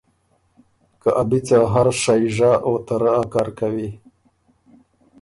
که ا بی څه هر شئ ژۀ او ته رۀ ا کر کوی۔